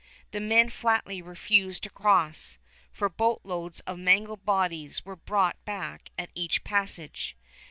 The men flatly refused to cross; for boat loads of mangled bodies were brought back at each passage.